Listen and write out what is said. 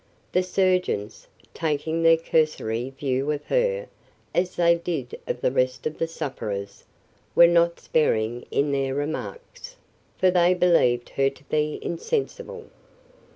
The surgeons, taking their cursory view of her, as they did of the rest of the sufferers, were not sparing in their remarks, for they believed her to be insensible.